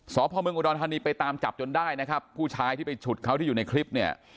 สพเมืองอุดรธานีไปตามจับจนได้นะครับผู้ชายที่ไปฉุดเขาที่อยู่ในคลิปเนี่ย